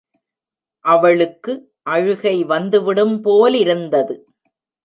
அவளுக்கு அழுகை வந்துவிடும் போலிருந்தது.